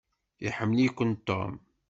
Iḥemmel-iken Tom.